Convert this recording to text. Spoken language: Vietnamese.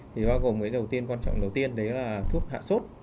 thì bao gồm cái đầu tiên quan trọng đầu tiên đấy là thuốc hạ sốt